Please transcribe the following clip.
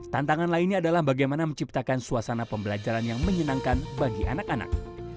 tantangan lainnya adalah bagaimana menciptakan suasana pembelajaran yang menyenangkan bagi anak anak